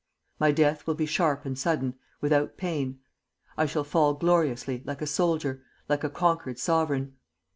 My death will be sharp and sudden, without pain. I shall fall gloriously, like a soldier, like a conquered sovereign....